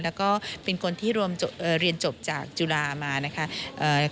และก็เป็นคนที่เรียนจบจากจุฬาธรรมศาสตร์มานะคะ